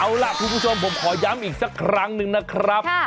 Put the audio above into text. เอาล่ะคุณผู้ชมผมขอย้ำอีกสักครั้งนึงนะครับ